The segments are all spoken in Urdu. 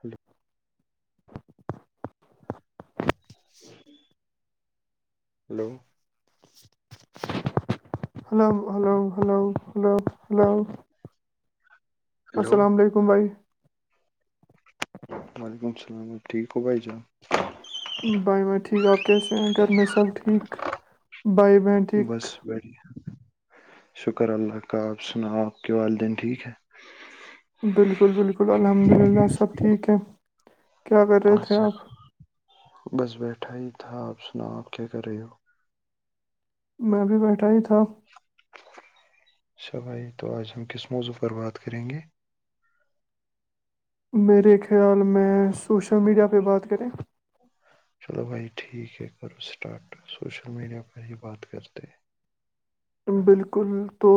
Hello hello hello hello hello hello hello hello السلام علیکم ممبئی وعلیکم السلام ٹھیک ہو بھائی جا بائی میں ٹھیک آپ کیسے ہیں گھر میں سب ٹھیک بائی ب بس ٹھیک شکر اللہ کا آپ سناؤ آپ کے والدین ٹھیک ہے بالکل بالکل الحمد للہ سب ٹھیک ہے کیا کر ا رہے تھے آپ بس بیٹھا ہی تھا آپ سناؤ آپ کیا کر رہے ہو میں بھیھی بیٹھا ہی تھا س بھائی تو آج ہم کس موضوع پر بات کریں گے میرے خیال میں سوشل میڈیا پہ بات کریں چلو بھائی ٹھیک ہے کرو اسٹارٹ سوشل میڈیا پر ہی بات کرتے ہیں بالکل تو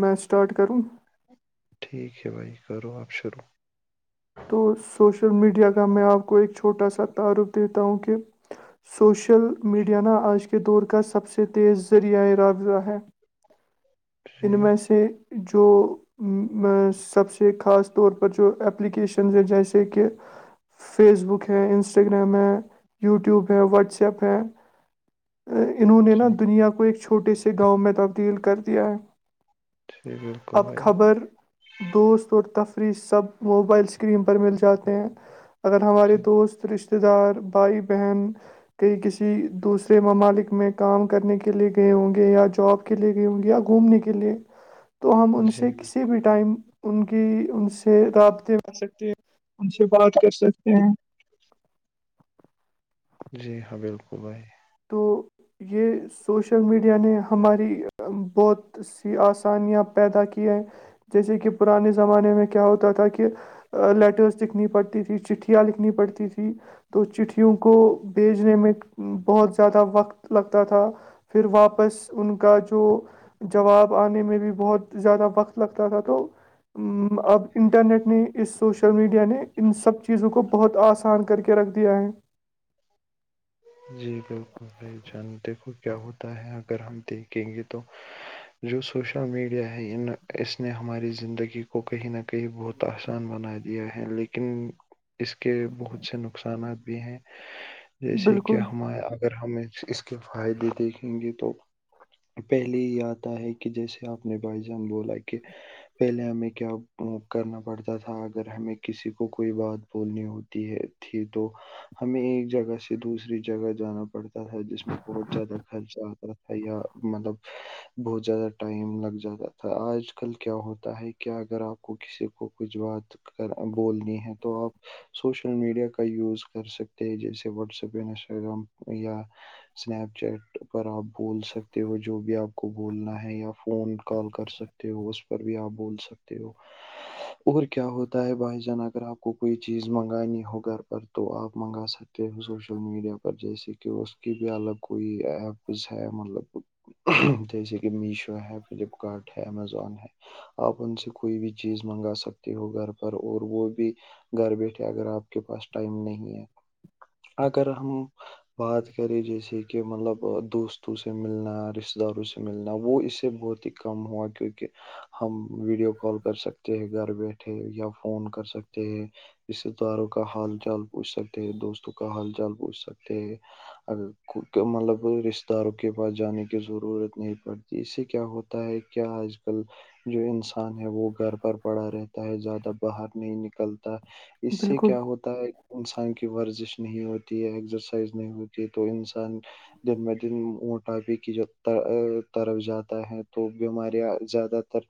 میں اسٹارٹ کروں ٹھیک ہے بھائی کرو آپ شروع تو سوشل میڈیا کا میں آپ کو ایک چھوٹا سا تعارف دیتا ہوں کہ سوشل میڈیاانا آج کے دور کا سب سے تیز ذریعۂ راابضہ ہے جی ان میں سے جو سب سے خاص طور پر جو ایپلیکیشنز ہیں جیسے کہ فیس بک ہے انسٹاگرام ہے یوٹیوب ہے واٹسپ ہے انہوں نے نا جی دنیا کو ایک چھوٹے سے گاؤں میں تبدیل کر دیا ہے جی بالکل اب بھائی خبر دوست اور تفریح سب موبائل سے اسکریم پر مل جاتے ہیں اگر ہمارے جی دوست رشتتے دار بھائی بہن کئی کسی دوسرے ممالک میں کام کرنے کے لیے گئے ہوں گے یا جاب کے لیے گئے ہوں گے یا گھومنے کے لیے تو ہم ان جی سے بالکل، کسی بھی ٹائم ان کی ان سے رابطے میں ان سے بات کر سکتے ہیں جی ہاں بالکل بھائی تو یہ سوشل میڈیا نے ہماری بہت سی آسانیاں پیدا کی ہیں جیسے کہ پرانے زمانے میں کیا ہوتا تھا کہ لیٹرس دکھنی پڑتی تھی چٹھی لکھنی پڑتی تھی تو چٹھیوں کو بھیجنے میں بہت زیادہ وقت لگتا تھا پھر واپس ان کا جو جواب آنے میں بھی بہت زیادہ وقت لگتا تھا تو اب انٹرنیٹ نے اس سوشل میڈیا نے ان سب چیزوں کو بہت آسان کر کے رکھ دیا ہے جی بالکل بھائی جان دیکھو کیا ہوتا ہے اگر ہم دیکھیں گے تو جو سوشل میڈیا ہے ان اس نے ہماری زندگی کو کہیں نہ کہیں بہت ت آحسان بنا دیا ہے لیکن اس کے بہت سے نقصانات بھی ہیں جیسے کہ بالکل اگر ہم اس کے فائدے دیکھیں گے تو پہلے یہ آتا ہے کہ جیسے آپ نے بھائی جان بولا کہ پہلے ہمیں کیا کرنا پڑتا تھا اگر ہمیں کسی کو کوئی بات بولنی ہوتی ہے تھی تو ہمیں ایک جگہ سے دوسری جگہ جانا پڑتا تھا جس میں بہت زیادہ خرچہ آتا تھا یا مطلب بہت زیادہ ٹائم لگ جاتا تھا آج کل کیا ہوتا ہے کہ اگر آپ کو کسی کو کچھ بات بولنی ہے تو آپ سوشل میڈیا کا یوز کر سکتے ہیں جیسے واٹسپ انسٹاگرام یا اسنیپ چیٹ پر آپ بول سکتے ہو جو بھی آپ کو بولنا ہے یا فون کال کر سکتے ہو اس پر بھی آپ بول سکتے ہو اور کیا ہوتا ہے بھائی جان اگر آپ کو کوئی چیز منگانی ہو گھر پر تو آپ منگا سکتے ہو سوشل میڈیا پر جیسے کہ اس کی بھی الگ کوئی ایپز ہے مطلب جیسے کہ میشو ہے فلپکارٹ ہے امیزون ہے آپ ان سے کوئی بھی چیز منگا سکتے ہو گھر پر اور وہ بھی گھر بیٹھے اگر آپ کے پاس ٹائم نہیں ہے اگر ہم بات کرے جیسے کہ مطلب دوستوں سے ملنا رشتتے داروں سے ملنا وہ اس سے بہت ہی کم ہوا کیونکہ ہم ویڈیو کال کر سکتے ہیں گھر بیٹھے یا فون کر سکتے ہیں رشتہ داروں کا حال چال پوچھ سکتے ہیں دوستوں کا حال چال پوچھ سکتے ہیں مطلب رشتتے داروں کے پاس جانے کی ضرورت نہیں پڑتی اس سے کیا ہوتا ہے کیا آج کل جو انسان ہے وہ گھر پر پڑا رہتا ہے زیادہ باہر نہیں نکلتا اس سے بالکل کیا ہوتا ہے انسان کی ورزش نہیں ہوتی ہے نہیں ہوتی تو انسان دن بہ دن موٹاپے کی جو طرف جاتا ہے تو بیماریاں زیادہ تر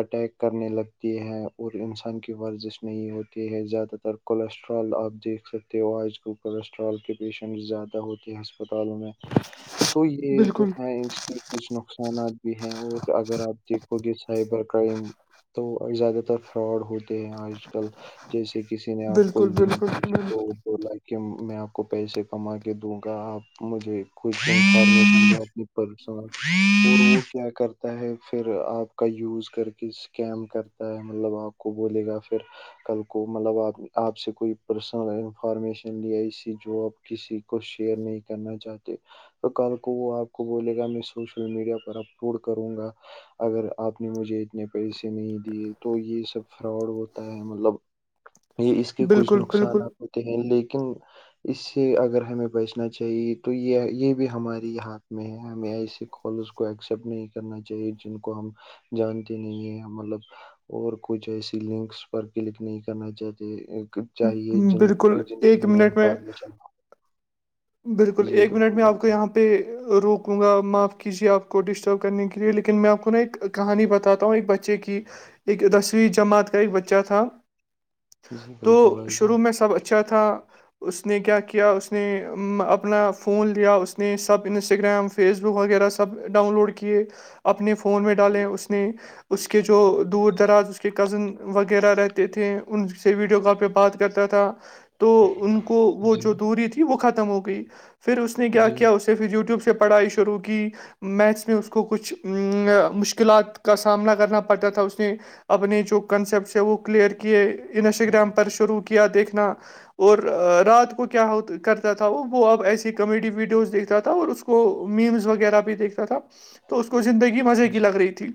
اٹیک کرنے لگتی ہیں اور انسان کی ورزش نہیں ہوتی ہے زیادہ تر کولیسٹرال آپ دیکھ سکتے ہو آج کو کوسٹرال کے پیشنٹ زیادہ ہوتے ہیں ہسپتالوں میں تو یہ جو بالکل ہے اس کی کچھ نقصانات بھی ہیں اور اگر آپ دیکھو گے سائبر کرائم تو زیادہ تر فراڈ ہوتے ہیں آج کل جیسے کسی نے آپ کو بالکل لنک بالکل بھیجی تو بولا کہ میں آپ کو پیسے کما کے دوں گا آپ مجھے انفارمیشن اور وہ کیا کرتا ہے پھر آپ کا یوز کر کے اسکیم کرتا ہے مطلب آپ کو بولے گا پھر کل کو مطلب آپ آپ سے کوئی پرسنل انفارمیشن لیا اسی جو آپ کسی کو شیئر نہیں کرنا چاہتے تو کل کو وہ آپ کو بولے گا میں سوشل میڈیا پر اپلوڈ کروں گا اگر آپ نے مجھے اتنے پیسے نہیں دیے تو یہ سب فراڈ ہوتا ہے مطلب [inaudible] یہ اس کے کچھ بالکل بالکل نقصانات ہوتے ہیں لیکن اس سے اگر ہمیں بیچنا چاہیے تو یہ یہ بھی ہماری ہاتھ میں ہے ہمیں ایسے کال کو ایکسپٹ نہیں کرنا چاہیے جن کو ہم جانتے نہیں ہیں مطلب اور کچھ ایسی لنکس پر کلک نہیں کرنا چاہتے چاہیے جن بالکل جن کی ایک ہمیں منٹ میں [inaudible] ہو بالکل جی ایک منٹ بالکل میں بھائی آپ کو جان یہاں پہ روکوں گا معاف کیجیے آپ کو ڈسٹرب کرنے کے لیے لیکن میں آپ کو نا ایک کہانی بتاتا ہوں ایک بچے کی ایک دسویں جماعت کا ایک بچہ تھا جی تو بالکل بھائی جان شروع میں سب اچھا تھا اس نے کیا کیا اس نے اپنا فون لیا اس سب انسٹاگر فیس بک وغیرہ سب ڈاؤن لوڈ کیے اپنے فون میں ڈالیں اس نے اس کے جو دور دراز کے کزن وغیرہ رہتے تھے ان سے ویڈیو کال پہ بات کرتا تھا تو ان کو وہ جی جو دوری تھی وہ ختم ہو گئی پھر اس نے کیا جی کیا اس سے پھر یوٹیوب سے پڑھائی شروع کی میتھس میں اس کو کچھ مشکلات کا سامنا کرنا پڑتا تھا اس نے اپنے جو کنسپٹس وہ کلیئر کیے انسٹاگرام پر شروع کیا دیکھنا اور رات کو کیا ہو کر تھا وہ وہ اب ایسی کامیڈی ویڈیوز دیکھتا تھا اور اس کو میمز وغیرہ بھی دیکھتا تھا تو اس کو زندگی مزے کی لگ رہی تھی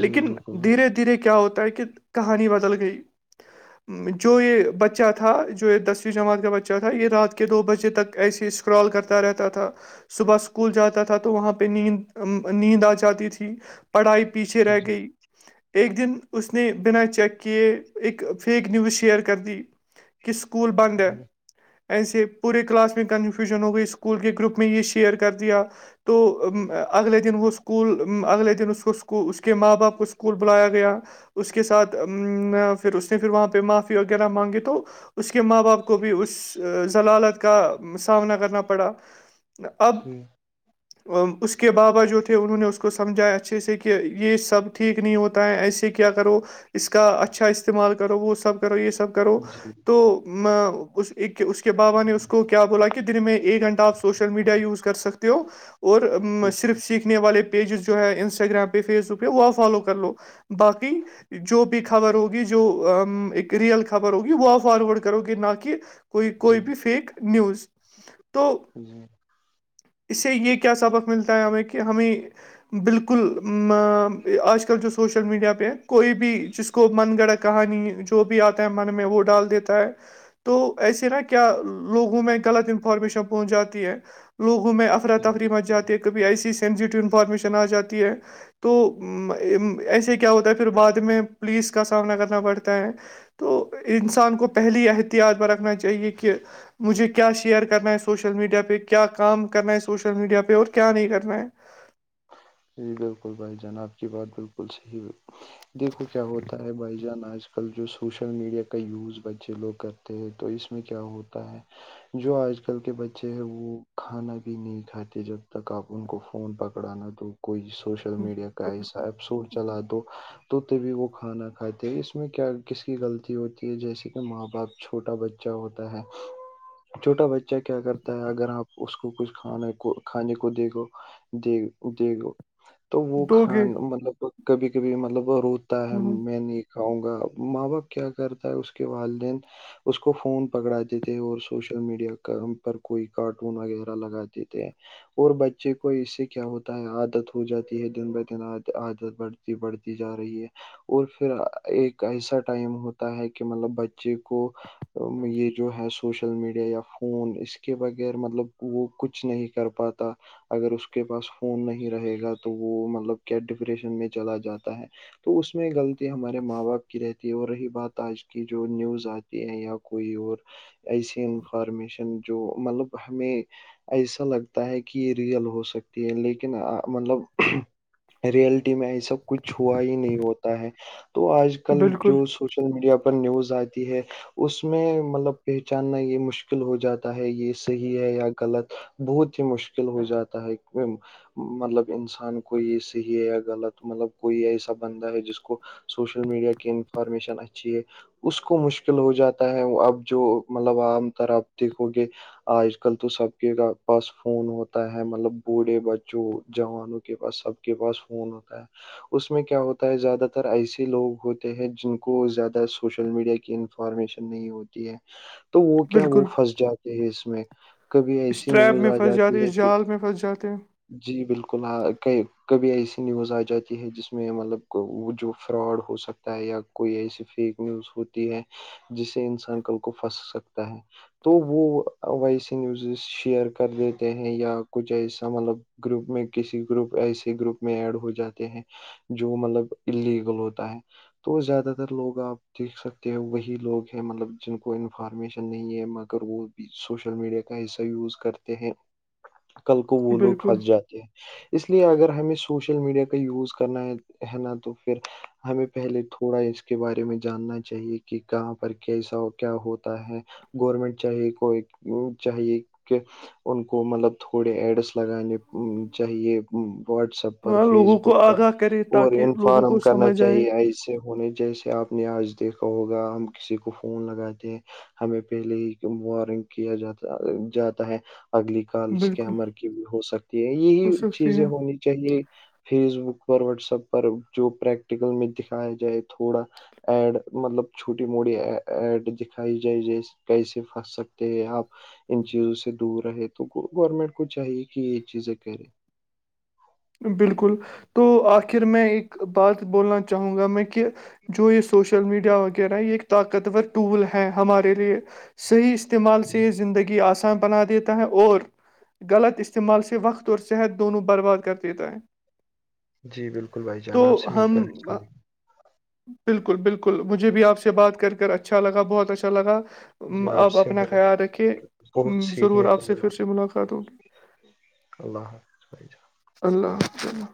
جی لیکن بالکل بھائی دھیرے دھیرے کیا ہوتا ہے کہ کہانی بدل گئی جو یہ بچہ تھا جو یہ دسویں جماعت کا بچہ تھا تھا یہ رات کے دو بجے تک ایسے اسکرال کرتا رہتا تھا صبح اسکول جاتا تھا تو وہاں پہ نیند نیند آ جاتی تھی پڑھائی پیچھے رہ جی گئی ایک دن اس نے بنا چیک کیے ایک فیک نیوز شیئر کرتی کہ سکول بند ہے جی ایسے پورے کلاس میں کنفیوژن ہو گئی اسکول کے گروپ میں یہ شیئر کر دیا تو اگلے دن وہ اسکول اگلے دن اس کو کو اس کے ماں باپ کو اسکول بلایا گیا اس کے ساتھ پھر اس نے پھر وہاں پہ معافی وغیرہ مانگی تو اس کے ماں باپ کو ذلالت کا سامنا کرنا پڑا اب جی اس کے بابا جو تھے انہوں نے اس کو سمجھایا اچھے سے کہ یہ سب ٹھیک نہیں ہوتا ہے ایسے کیا کرو اس کا اچھا استعمال کرو وہ سب کرو یہ سب کرو جی تو میں اس ایک کہ اس کے بابا نے اس کو کیا بولا کہ دن میں ایک گھنٹہ آپ سوشل میڈیا یوز کر سکتے ہو اور بالکل صرف سیخ والے پیجز جو ہے انسٹاگرام پہ فیس بک پہ وہ فالو کر لو باقی جو بھی خبر ہوگی جو ایک ریئل خبر ہوگی وہ فارورڈ کرو گے نہ کہ کوئی کوئی جی بھی جی فیک نیوز تو جی اس سے یہ کیا سبق ملتا ہے ہمیں کہ ہمیں بالکل آج کل جو سوشل میڈیا پہ کوئی بھی چ کو من گڑا کہانی جو بھی آتا ہے من میں وہ ڈال دیتا ہے تو ایسے نا کیا لوگوں میں غلط انفارمیشن پہنچ جاتی ہے لوگوں میں افرا تفری مچ جاتی ہے کبھی ایسی سینجیٹیو انفارمیشن آ جاتی ہے تو ایسے کیا ہوتا ہے پھر بعد میں پولیس کا سامنا کرنا پڑتا ہے تو انسان کو پہلی احتیاط پر ا نا چاہیے کہ مجھے کیا شیئر کرنا ہے سوشل میڈیا پہ کیا کام کرنا ہے سوشل میڈیا پہ اور کیا نہیں کرنا ہے جی بالکل بھائی جان آپ کی بات بالکل صحیح دیکھو کیا ہوتا ہے بھائی جان آج ک آ کل جو سوشل میڈیا کا یوز بچے لوگ کرتے ہیں تو اس میں کیا ہوتا ہے جو آج کل کے بچے ہیں وہ کھانا بھی نہیں کھاتے جب تک آپ ان کو فون پکڑا نہ دو کوئی سوشل میڈیا کا ایسا ایپسو چلا دو تو تبھی وہ کھانا کھاتے اس میں کیا کس کی غلطی ہوتی ہے جیسے کہ ماں باپ چھوٹا بچہ ہوتا ہے چھوٹا بچہ کیا کرتا ہے اگر آپ اس کو کچھ کھانے کو کھانے کو دیدو دیک دیکھ تو وہ دو گے کھان مطلب کبھی کبھی مطلب روتا ہے میں نے کھاؤں گا ماں باپ کیا کرتا ہے اس کے والدین اس کو فون پکڑات دی تھے اور سوشل میڈیا کا پر کوئی کارٹون وغیرہ لگاتے تھے اور بچے کو اس سے کیا ہوتا ہے عادت ہو جاتی ہے دن بہ دن عادت بڑھتی بڑھتی جا رہی ہے اور پھر ایک ایسا ٹائم ہوتا ہے کہ مطلب بچے کو یہ جو ہے سوشل میڈیا یا فون اس کے بغیر مطلب وہ کچھ نہیں کر پاتا اگر اس کے پاس فون نہیں رہے گا تو وہ مطلب کیا ڈپریشن میں چلا جاتا ہے تو اس میں غلطی ہمارے ماں باپ کی رہتی ہے اور رہی بات آج کی جو نیوز آتی- یا کوئی اور ایسی انفارمیشن جو مطلب ہمیں- ایسا لگتا ہے کہ یہ ریئل ہو سکتی ہے لیکن- مطلب ریئلٹی میں ای سب کچھ ہوا ہی نہیں ہوتا ہے تو آج- آج کل بالکل جو سوشل میڈیا پر نیوز آتی ہے- اس میں مطلب پہچاننا یہ مشکل ہو جاتا ہے یہ صحیح ہے یا غلط? بہت ہی مشکل ہو جاتا ہے- مطلب انسان کو یہ صحیح ہے یا غلط مطلب کوئی ایسا بندہ ہے جس کو- سوشل میڈیا کی انفارمیشن اچھی ہے- اس کو مشکل ہو جاتا ہے اب جو مطلب عام طر آپ دیکھو گے- آج کل تو سب کے پاس فون ہوتا ہے مطلب بوڑھے بچ جو جوانوں کے پاس سب کے پاس فون ہوتا ہے اس میں کیا ہوتا ہے زیادہ تر ایسے لوگ ہوتے ہیں جن کو زیادہ سوشل میڈیا کی- فارمیشن نہیں ہوتی ہے تو وہ کیا وہ بالکل پھنس جاتے ہیں اس میں کبھی ایسی اسٹریپ نیوز میں آ پھنس جاتے جاتی ہے اس کہ جال میں پھنس جاتے ہیں جی بالکل کبھی ایسی نیوز آ جاتی ہے جس میں مطلب وہ جو فراڈ ہو سکتا- یا کوئی ایسی فیک نیوز ہوتی ہے جس سے انسان کل کو پھنس سکتا ہے- تو وہ ویسے نیوزز شیئر کر دیتے ہیں یا کچھ ایسا مطلب- گروپ میں کسی گروپ ایسے گروپ میں ایڈ ہو جاتے ہیں- جو مطلب اللیگل ہوتا ہے- تو زیادہ تر لوگ آپ دیکھ سکتے ہو وہی لوگ ہیں مطلب جن کو انفارمیشن نہیں ہے- وہ بھی سوشل میڈیا کا حصہ یوز کرتے ہیں کل کو وہ لوگ- بالکل پھنس اس لیے اگر ہمیں سوشل میڈیا کا یوز کرنا ہے ہے نا تو پھر- ہمیں پہلے تھوڑا اس کے بارے میں جاننا چاہیے کہ کہاں پر کیسا کیا ہوتا ہے- گورمنٹ چاہیے کوئی چاہیے کہ- ان کو مطلب تھوڑے ایڈس لگانے چاہیے واٹس ایپ- پر ہاں فیس لوگوں بک کو پر آگاہ کرے اور تاکہ لوگوں کو انفارم کرنا سمجھ آئے چاہیے ایسے ہونے جیسے آپ- نے آج دیکھا ہوگا ہم کسی کو فون لگاتے ہیں- ہمیں پہلے ہی وارننگ کیا جاتا جاتا ہے اگلی- کالس بالکل کےمر کی بھی ہو سکتی ہے ہو یہی سکتی چیزیں ہے ہونی- چاہیے فیس بک, پر واٹسپ پر, جو پریکٹیکل میں دکھایا جائے تھوڑا- ایڈ مطلب چھوٹی موٹی ایڈ دکھائی جائے جیس- کیسے پھنس سکتے ہیں آپ ان چیزوں سے دور رہے تو گورنمنٹ کو چاہیے کہ- چیزیں کر رہیں بالکل تو آخر میں ایک بات بولنا چاہوں گا میں کہ جو اس- سوشل میڈیا وغیرہ یہ ایک طاقتور ٹول ہے ہمارے لیے- صحیح استعمال سے یہ زندگی آ- بنا دیتا ہے اور غلط استعمال سے وقت اور صحت دونوں برباد کرتا- ت ہے- جی بالکل بھائی جان تو آب سے مل ہم کرل بالکل بالکل مجھے بھی آپ سے بات کر کر اچھا لگا بہت اچھا لگا جی آپ سے اپنا مل خیال رکے کر بہت ضرور سیکھنے کو آپ سے ملا پھر سے ملاقات ہوگی- اللہ حافظ اللہ اللہ-